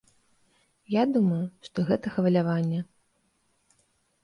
Я думаю, што гэта хваляванне.